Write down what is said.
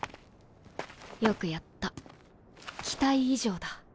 よくやった期待以上だ。